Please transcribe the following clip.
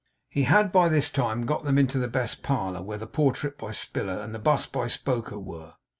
He had by this time got them into the best parlour, where the portrait by Spiller, and the bust by Spoker, were.